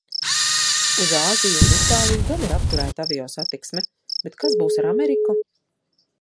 Uz Āziju un Itāliju gan ir apturēta aviosatiksme. Bet kas būs ar Ameriku?